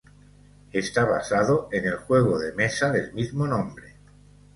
Está basado en el juego de mesa del mismo nombre.